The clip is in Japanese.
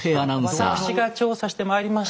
私が調査してまいりました。